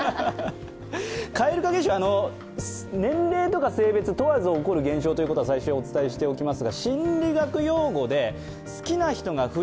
蛙化現象、年齢とか性別問わず起こる現象ということは最初にお伝えしておきます。